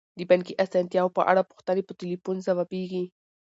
د بانکي اسانتیاوو په اړه پوښتنې په تلیفون ځوابیږي.